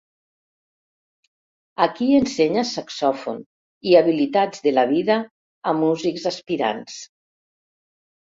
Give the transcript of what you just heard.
Aquí ensenya saxòfon i habilitats de la vida a músics aspirants.